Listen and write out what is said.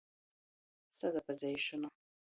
Sasapazeišona.